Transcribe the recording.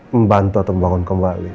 membantu atau membangun kembali